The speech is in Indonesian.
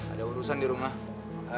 ada urusan di rumah